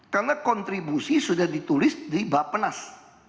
karena kontribusi sudah ditulis di bapenas